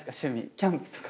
キャンプとか？